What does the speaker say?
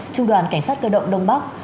trung đoàn cảnh sát cơ động đông bắc